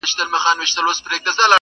زما او ستا دي له دې وروسته شراکت وي٫